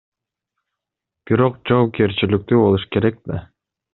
Бирок жоопкерчиликтүү болуш керек да.